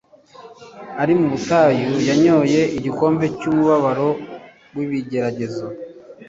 Ari mu butayu, yanyoye igikombe cy'umubabaro w'ibigeragezo.